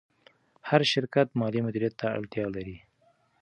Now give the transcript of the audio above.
هر شرکت مالي مدیر ته اړتیا لري.